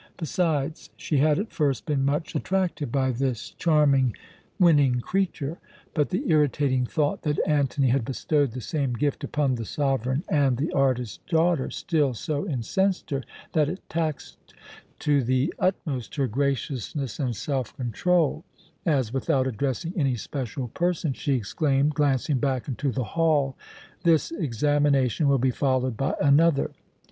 Besides, she had at first been much attracted by this charming, winning creature; but the irritating thought that Antony had bestowed the same gift upon the sovereign and the artist's daughter still so incensed her, that it taxed to the utmost her graciousness and self control as, without addressing any special person, she exclaimed, glancing back into the hall: "This examination will be followed by another.